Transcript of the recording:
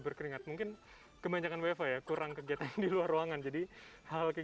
berkeringat mungkin kebanyakan wfa ya kurang kegiatan di luar ruangan jadi hal kayak